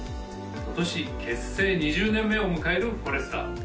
今年結成２０年目を迎えるフォレスタ